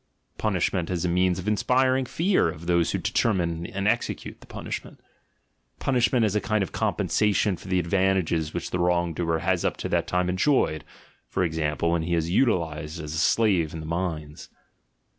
— Punishment as a means of inspiring fear of those who determine and exe cute the punishment. — Punishment as a kind of compen sation for advantages which the wrong doer has up to that time enjoyed (for example, when he is utilised as a slave in the mines)